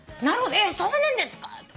そうなんですか！？って。